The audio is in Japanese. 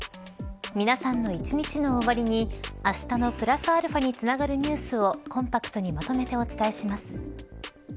皆さんの一日の終わりにあしたのプラスαにつながるニュースをコンパクトにまとめてお伝えします。